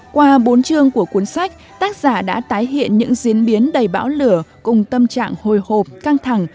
qua bốn chương của cuốn sách tác giả đã tái hiện những diễn biến đầy bão lửa cùng tâm trạng hồi hộp căng thẳng